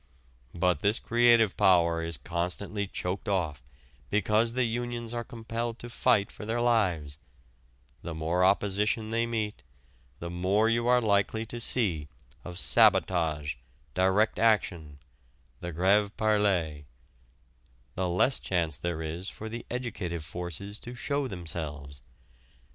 But this creative power is constantly choked off because the unions are compelled to fight for their lives the more opposition they meet the more you are likely to see of sabotage, direct action, the grève perlée the less chance there is for the educative forces to show themselves.